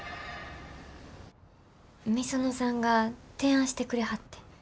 御園さんが提案してくれはってん。